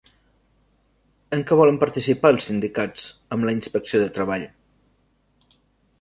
En què volen participar els sindicats amb la Inspecció de Treball?